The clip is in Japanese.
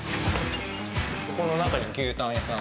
ここの中に牛たん屋さん